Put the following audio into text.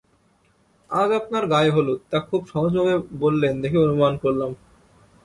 আজ আপনার গায়ে-হলুদ, তা খুব সহজভাবে বললেন দেখে অনুমান করলাম।